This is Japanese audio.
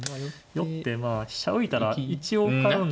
寄ってまあ飛車浮いたら一応受かるんで。